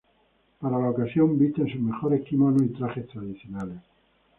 Para la ocasión, visten sus mejores kimonos y trajes tradicionales.